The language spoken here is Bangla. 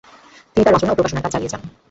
তিনি তাঁর রচনা ও প্রকাশনার কাজ চালিয়ে যান।